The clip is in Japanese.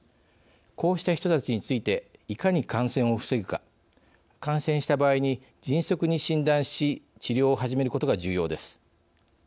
こうした人たちについていかに感染を防ぐか感染した場合に迅速に診断し治療を始めることが重要です。